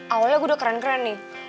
awalnya gue udah keren keren nih